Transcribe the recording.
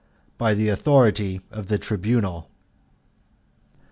"By the authority of the Tribunal."